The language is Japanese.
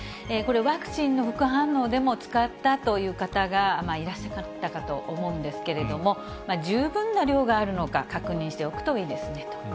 これ、ワクチンの副反応でも使ったという方がいらっしゃったかと思うんですけれども、十分な量があるのか確認しておくといいですね。